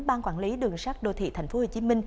ban quản lý đường sắt đô thị tp hcm